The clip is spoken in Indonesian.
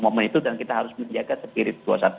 momen itu dan kita harus menjaga spirit